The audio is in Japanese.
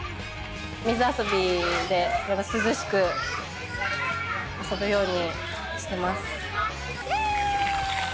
水遊びで涼しく遊ぶようにしてます。